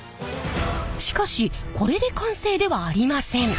しかしこれで完成ではありません。